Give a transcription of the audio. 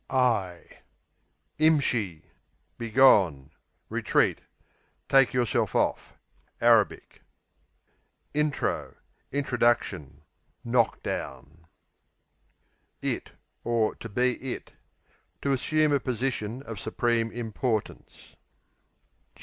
Imshee Begone; retreat; to take yourself off. [Arabic] Intro Introduction; "knock down," q.v. It (to be It) To assume a position of supreme importance.